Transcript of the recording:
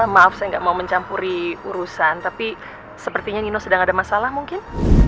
maaf saya nggak mau mencampuri urusan tapi sepertinya nino sedang ada masalah mungkin